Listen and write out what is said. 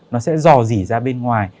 nó sẽ dò dỉ ra bên ngoài